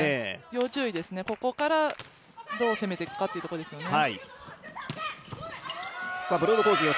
要注意ですね、ここからどう攻めていくかというところですよね。